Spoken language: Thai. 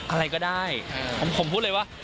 อะไรก็ได้ผมพูดเลยว่า